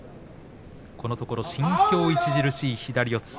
このところ進境著しい左四つ。